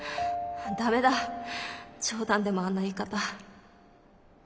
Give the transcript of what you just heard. ダメだ冗談でもあんな言い方。